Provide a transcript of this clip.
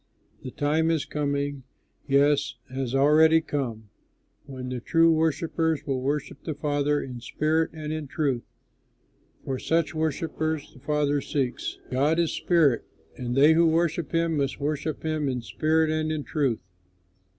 The time is coming, yes, has already come, when the true worshippers will worship the Father in spirit and in truth; for such worshippers the Father seeks. God is a spirit, and they who worship him must worship him in spirit and in truth."